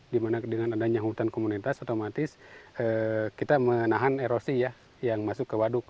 dimana dengan adanya hutan komunitas otomatis kita menahan erosi ya yang masuk ke waduk